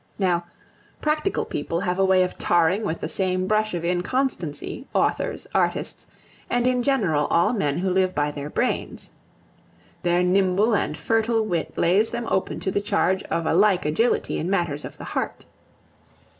Now, practical people have a way of tarring with the same brush of inconstancy authors, artists, and in general all men who live by their brains. Their nimble and fertile wit lays them open to the charge of a like agility in matters of the heart.